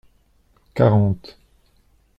Quarante.